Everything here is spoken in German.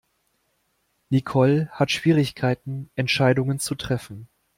Nicole hat Schwierigkeiten Entscheidungen zu treffen.